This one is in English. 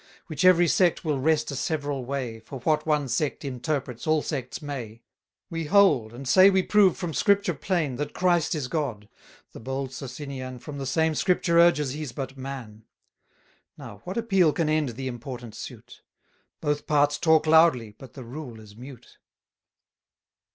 Which every sect will wrest a several way, For what one sect interprets, all sects may. 310 We hold, and say we prove from Scripture plain, That Christ is God; the bold Socinian From the same Scripture urges he's but man. Now, what appeal can end the important suit? Both parts talk loudly, but the rule is mute.